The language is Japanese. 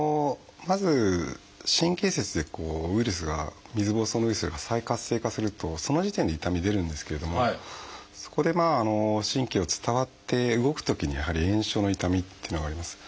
まず神経節でウイルスが水ぼうそうのウイルスが再活性化するとその時点で痛み出るんですけれどもそこで神経を伝わって動くときにやはり炎症の痛みっていうのがあります。